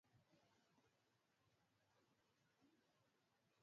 mlo wa bang up tatu Wote sasa wana programu